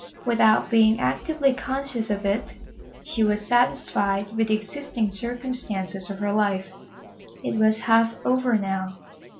Without being actively conscious of it, she was satisfied with the existing circumstances of her life. It was half over now.